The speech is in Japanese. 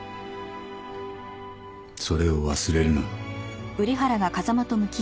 それを忘れるな。